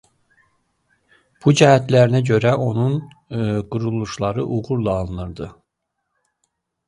Bu cəhətlərinə görə onun quruluşları uğurlu alınırdı.